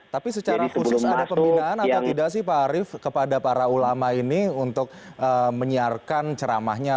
tapi secara khusus ada pembinaan atau tidak sih pak arief kepada para ulama ini untuk menyiarkan ceramahnya